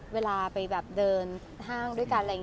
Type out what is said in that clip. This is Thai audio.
เวลาไปเดินห้างด้วยกัน